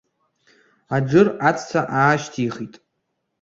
Аџыр аҵәца аашьҭихит.